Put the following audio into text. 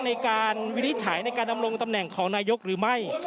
วินิจฉัยในการดำรงตำแหน่งของนายกหรือไม่